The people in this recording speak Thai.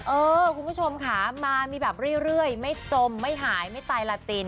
เออคุณผู้ชมค่ะมามีแบบเรื่อยไม่จมไม่หายไม่ตายลาติน